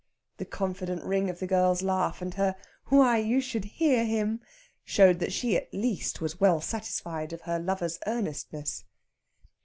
The confident ring of the girl's laugh, and her "Why, you should hear him!" showed that she, at least, was well satisfied of her lover's earnestness.